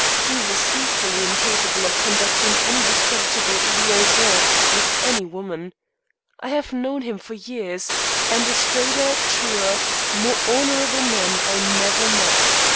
He was equally incapable of conducting any discreditable liaison with any woman. I have known him for years, and a straighter, truer, more honorable man I never met.